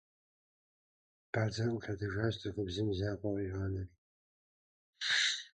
Бадзэр ӏулъэтыжащ, цӏыхубзым и закъуэ къигъанэри.